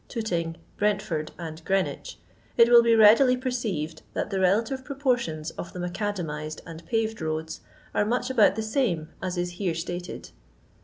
Tooting, Brentford, and Greenwich, it will be readily perceived that the relative proportions of the macadamised and paved roads are much about the same as is here stated.